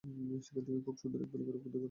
সেখান থেকে খুব সুন্দরী এক বালিকার অভ্যুদয় ঘটে।